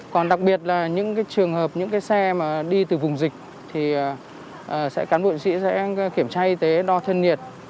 còn đặc biệt là những trường hợp những cái xe mà đi từ vùng dịch thì sẽ cán bộ sĩ sẽ kiểm tra y tế đo thân nhiệt